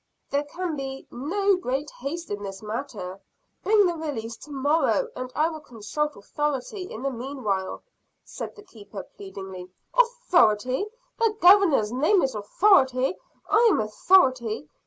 "There can be no great haste in this matter. Bring the release tomorrow, and I will consult authority in the meanwhile," said the keeper pleadingly. "Authority? The Governor's name is authority! I am authority!